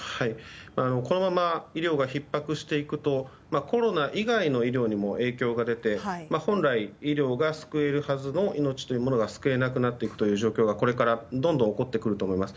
このまま医療がひっ迫していくとコロナ以外の医療にも影響が出て本来、医療が救えるはずの命というものが救えなくなっていくという状況がこれからどんどん起こってくると思います。